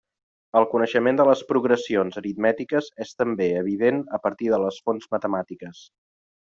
El coneixement de les progressions aritmètiques és també evident a partir de les fonts matemàtiques.